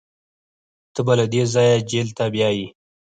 تا به له دې ځايه جېل ته بيايي.